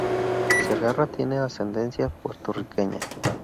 Segarra tiene ascendencia puertorriqueña.